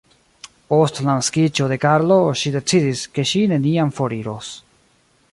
Post la naskiĝo de Karlo, ŝi decidis, ke ŝi neniam foriros.